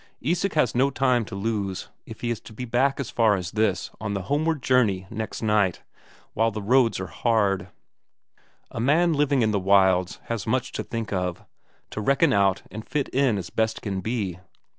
Isak has no time to lose, if he is to be back as far as this on the homeward journey next night, while the roads are hard. A man living in the wilds has much to think of, to reckon out and fit in as best can be.